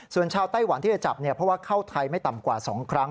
ส่วนชาวไต้หวันที่จะจับเพราะว่าเข้าไทยไม่ต่ำกว่า๒ครั้ง